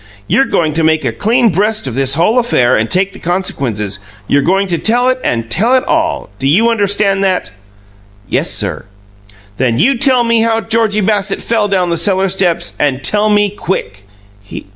"You're going to make a clean breast of this whole affair and take the consequences. You're going to tell it and tell it ALL. Do you understand that?" "Yes, sir." "Then you tell me how Georgie Bassett fell down the cellar steps and tell me quick!"